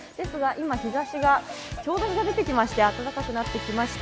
日ざしがちょうど出てきて暖かくなってきました。